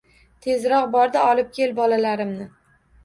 Tezroq bor-da, olib kel bolalarimni